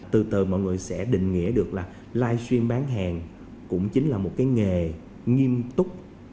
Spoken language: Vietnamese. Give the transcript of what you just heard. từ từ mọi người sẽ định nghĩa được là livestream bán hàng cũng chính là một cái nghề nghiêm túc